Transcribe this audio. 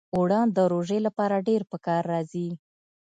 اوړه د روژې لپاره ډېر پکار راځي